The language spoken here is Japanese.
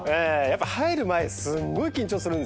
入る前すんごい緊張するんです。